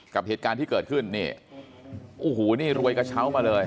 กับเหตุการณ์ที่เกิดขึ้นนี่โอ้โหนี่รวยกระเช้ามาเลย